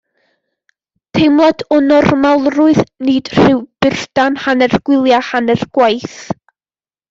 Teimlad o normalrwydd nid rhyw burdan hanner gwyliau hanner gwaith.